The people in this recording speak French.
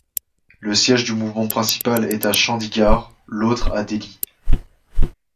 Le siège du mouvement principal est à Chandigarh, l'autre à Delhi.